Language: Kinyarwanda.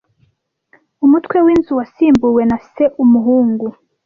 Umutwe w'inzu wasimbuwe na se umuhungu.